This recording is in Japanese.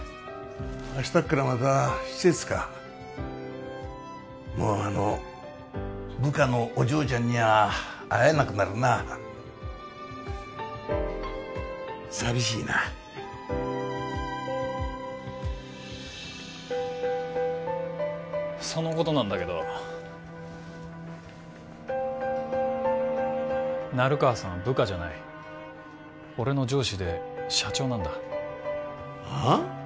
明日っからまた施設かもうあの部下のお嬢ちゃんには会えなくなるな寂しいなそのことなんだけど成川さんは部下じゃない俺の上司で社長なんだはあ？